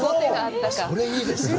それ、いいですね。